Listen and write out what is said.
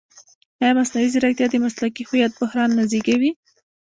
ایا مصنوعي ځیرکتیا د مسلکي هویت بحران نه زېږوي؟